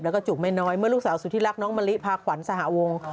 แล้วก็จุกไม่น้อยเมื่อลูกสาวสุธิรักน้องมะลิพาขวัญสหวง